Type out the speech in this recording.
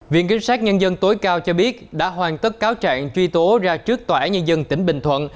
viện kiểm soát nhân dân tối cao cho biết đã hoàn tất cáo trạng truy tố ra trước tòa nhà dân tỉnh bình thuận